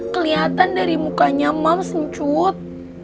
kelihatan dari mukanya mams ancut